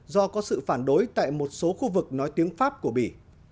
do có sự phản đối tại một số khu vực nói tiếng pháp của bỉ